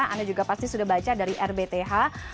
anda juga pasti sudah baca dari rbth